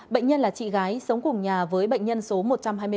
bệnh nhân là chị gái sống cùng nhà với bệnh nhân số một trăm hai mươi ba